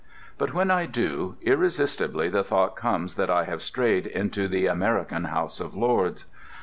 But when I do, irresistibly the thought comes that I have strayed into the American House of Lords.